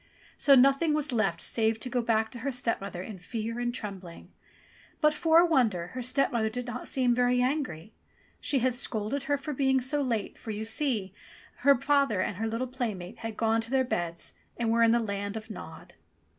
So nothing was left save to go back to her stepmother in fear and trembling. But, for a wonder, her stepmother did not seem very angry. She only scolded her for being so late, for, see you, her father and her little playmate had gone to their beds and were in the Land of Nod.